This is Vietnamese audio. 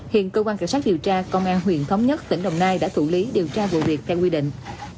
hiện cơ quan cảnh sát điều tra công an huyện thống nhất tỉnh đồng nai đã thủ lý điều tra vụ việc theo quy định